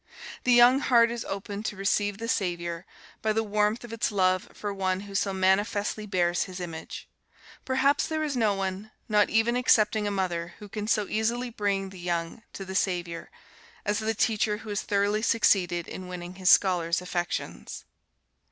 The young heart is opened to receive the Saviour, by the warmth of its love for one who so manifestly bears his image. Perhaps there is no one, not even excepting a mother, who can so easily bring the young to the Saviour, as the teacher who has thoroughly succeeded in winning his scholars' affections.